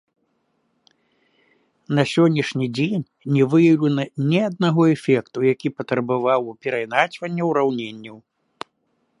На сённяшні дзень не выяўлена ні аднаго эфекту, які патрабаваў бы перайначвання ўраўненняў.